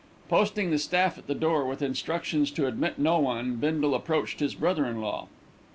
Posting the staff at the door with instructions to admit no one, Bindle approached his brother in law.